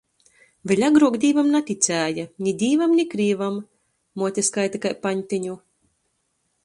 Vēļ agruok Dīvam naticēja. Ni Dīvam, ni krīvam. Muote skaita kai paņteņu.